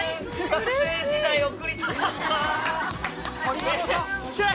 学生時代に撮りたかった。